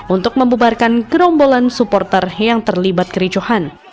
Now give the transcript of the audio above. untuk membebarkan kerombolan supporter yang terlibat kericuhan